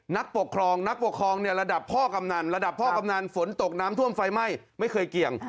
นักปกครองนักปกครองเนี่ยระดับพ่อกำนันระดับพ่อกำนันฝนตกน้ำท่วมไฟไหม้ไม่เคยเกี่ยง